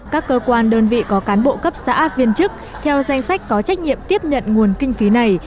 các cơ quan đơn vị có cán bộ cấp xã viên chức theo danh sách có trách nhiệm tiếp nhận nguồn kinh phí này